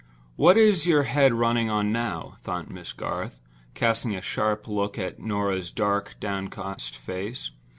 "What is your head running on now?" thought Miss Garth, casting a sharp look at Norah's dark, downcast face.